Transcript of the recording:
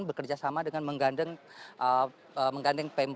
bekerjasama dengan menggandeng pembangunan